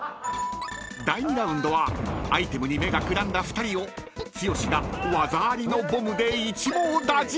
［第２ラウンドはアイテムに目がくらんだ２人を剛が技ありのボムで一網打尽！］